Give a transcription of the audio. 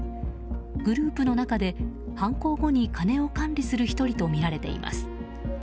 グループの中で犯行後に金を管理する１人とみられています。